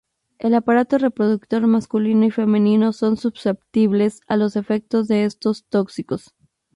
El aparato reproductor masculino y femenino son susceptibles a los efectos de estos tóxicos.